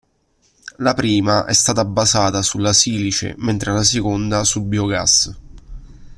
La prima è stata basata sulla silice mentre la seconda sul biogas.